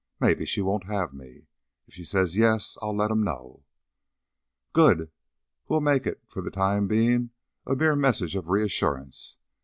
Mebbe she won't have me. If she says yes I'll let 'em know." "Good! We'll make it, for the time being, a mere message of reassurance.